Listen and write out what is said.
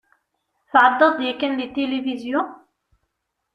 Tεeddaḍ-d yakan deg tilivizyu?